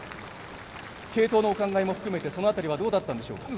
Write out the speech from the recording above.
継投のお考えも含めてその辺りはどうだったんでしょうか。